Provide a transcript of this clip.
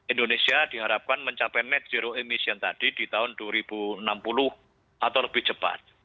indonesia diharapkan mencapai net zero emission tadi di tahun dua ribu enam puluh atau lebih cepat